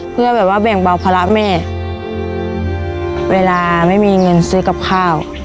เพื่อแบบว่าแบ่งเบาภาระแม่เวลาไม่มีเงินซื้อกับข้าว